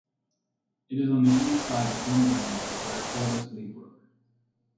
It is on the east side of Glynburn Road, where it borders Leabrook.